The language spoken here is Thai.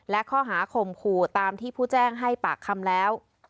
และข้อหาข่มขู่ตามที่ผู้แจ้งให้ปากคำแล้ว